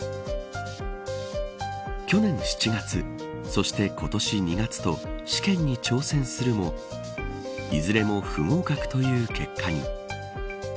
去年７月そして今年２月と試験に挑戦するもいずれも不合格という結果に。